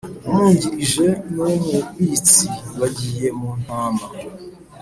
Umwungirije N Uw Umubitsi bagiye muntama